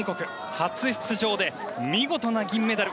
初出場で見事な銀メダル。